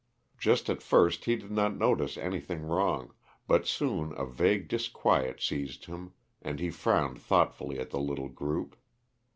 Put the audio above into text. Just at first he did not notice anything wrong, but soon a vague disquiet seized him, and he frowned thoughtfully at the little group.